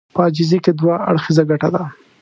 په عاجزي کې دوه اړخيزه ګټه ده.